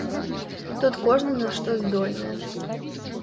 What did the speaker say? Тут кожны на што здольны.